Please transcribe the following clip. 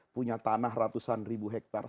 punya tanah ratusan ribu hektare